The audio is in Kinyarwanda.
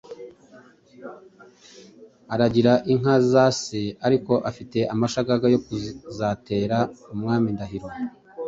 aragira inka za se ariko afite amashagaga yo kuzatera Umwami Ndahiro